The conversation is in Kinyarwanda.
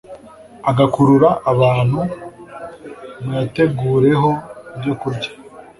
agakurura abantu muyategureho ibyokurya